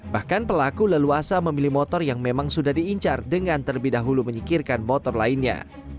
bahkan pelaku leluasa memilih motor yang memang sudah diincar dengan terlebih dahulu menyikirkan motor lainnya